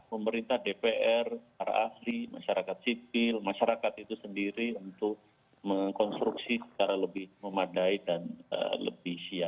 pemerintah dpr para ahli masyarakat sipil masyarakat itu sendiri untuk mengkonstruksi secara lebih memadai dan lebih siap